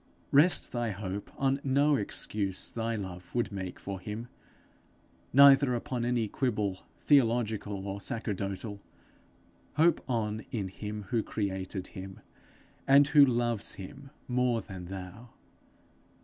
Rest thy hope on no excuse thy love would make for him, neither upon any quibble theological or sacerdotal; hope on in him who created him, and who loves him more than thou.